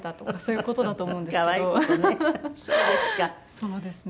そうですね。